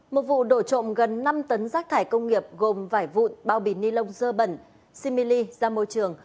một vụ đổ trộm gần năm tấn rác thải công nghiệp gồm vải vụn bao bì ni lông dơ bẩn simili ra môi trường